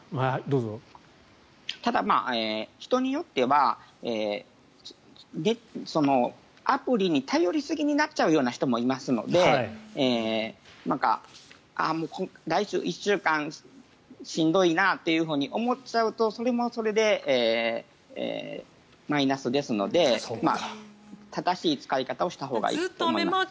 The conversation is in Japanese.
ただ、人によってはアプリに頼りすぎになっちゃうような人もいますので来週１週間しんどいなっていうふうに思っちゃうとそれもそれでマイナスですので正しい使い方をしたほうがいいと思います。